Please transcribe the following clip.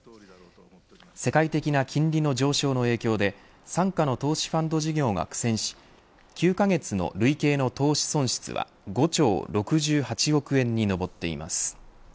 世界的な金利の上昇の影響で傘下の投資ファンド事業が苦戦し９カ月の累計の投資損失は５兆６８億円に上っています。